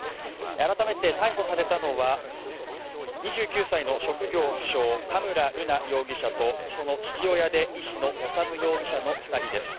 改めて逮捕されたのは２９歳の職業不詳、田村瑠奈容疑者とその父親で医師の修容疑者の２人です。